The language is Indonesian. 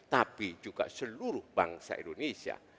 tapi juga seluruh bangsa indonesia